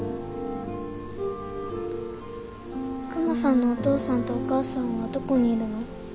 クマさんのお父さんとお母さんはどこにいるの？